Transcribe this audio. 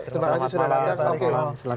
terima kasih sudah datang